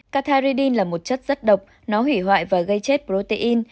cathary là một chất rất độc nó hủy hoại và gây chết protein